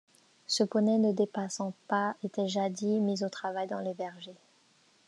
Ce poney ne dépassant pas était jadis mis au travail dans les vergers.